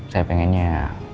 saya pengen ya